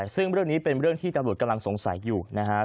ซึ่งเรื่องนี้เป็นเรื่องที่ตำรวจกำลังสงสัยอยู่นะฮะ